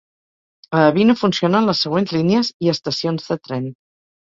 A Ebino funcionen les següents línies i estacions de tren.